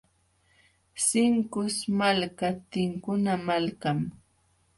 Sinkus malka tinkuna malkam.